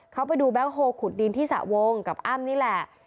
เขาไปดูแบงคโฮลขุดดินที่สระวงกับอ้ำนี่แหละ